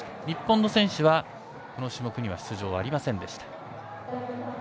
日本の選手はこの種目には出場がありませんでした。